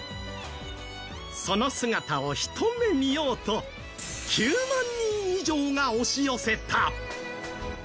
その姿をひと目見ようと９万人以上が押し寄せた。